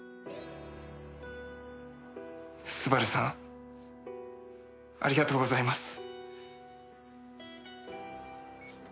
昴さんありがとうございます。